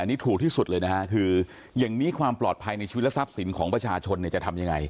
อันนี้ถูกที่สุดเลยนะฮะคืออย่างนี้ความปลอดภัยในชีวิตและทรัพย์สินของประชาชนเนี่ยจะทำยังไง